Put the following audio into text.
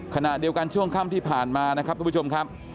ขณะเดียวกันช่วงค่ำที่ผ่านมานะครับทุกผู้ชมครับ